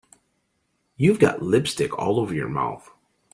You've got lipstick all over your mouth.